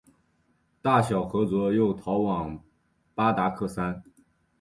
大小和卓又逃往巴达克山。